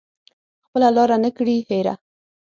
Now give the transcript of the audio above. خپله لاره نه کړي هیره